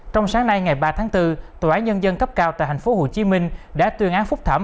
trong sáng nay ngày ba tháng bốn tòa án nhân dân cấp cao tại tp hcm đã tuyên án phúc thẩm